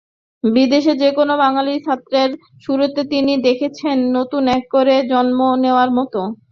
বিদেশে যেকোনো বাঙালি ছাত্রের শুরুটাকে তিনি দেখেছেন নতুন করে জন্ম নেওয়ার মতো।